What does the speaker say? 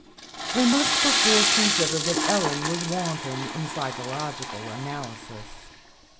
We must perforce consider that Ellen was wanting in psychological analysis.